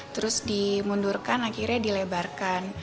terus dimundurkan akhirnya dilebarkan